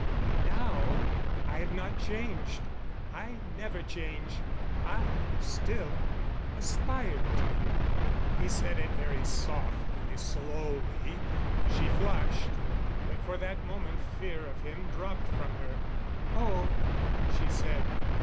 And now I have not changed. I never change. I still aspire to you." He said it very softly, slowly. She flushed; but for that moment fear of him dropped from her. "Oh," she said.